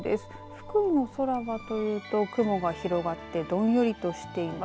福井の空はというと雲が広がってどんよりとしています。